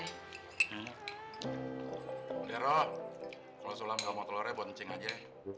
udero kalau sulam gak mau telurnya buat ncing aja